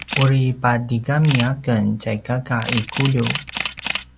uri patigami a ken tjay kaka i Kuliu